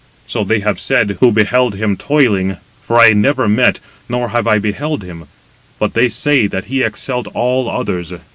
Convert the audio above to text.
So they have said, who beheld him toiling: for I never met, nor have I beheld him: but they say that he excelled all others.